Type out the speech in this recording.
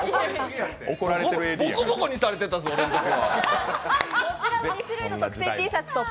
ボコボコにされてたわ俺の時代。